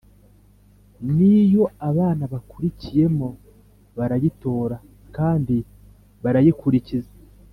ni yo abana bakuriyemo, barayitora, kandi barayikurikiza.